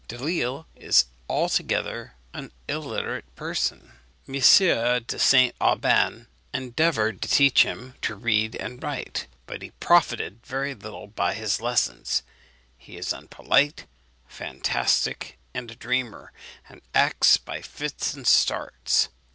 Delisle is altogether an illiterate person. M. de St. Auban endeavoured to teach him to read and write, but he profited very little by his lessons. He is unpolite, fantastic, and a dreamer, and acts by fits and starts."